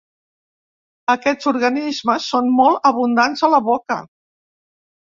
Aquests organismes són molt abundants a la boca.